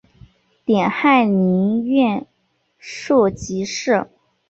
点翰林院庶吉士。